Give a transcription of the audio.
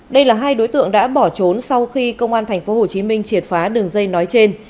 đây là hai đối tượng đã bỏ trốn sau khi công an tp hcm triệt phá đường dây nói trên